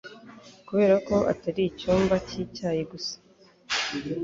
Kuberako atari icyumba cyi cyayi gusa